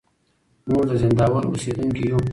موږ د زينداور اوسېدونکي يو.